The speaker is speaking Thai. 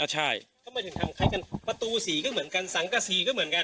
ใช่ทำไมถึงทำคล้ายกันประตูสีก็เหมือนกันสังกษีก็เหมือนกัน